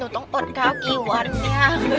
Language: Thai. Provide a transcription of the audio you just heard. หนูต้องอดเค้ากี่วันนี้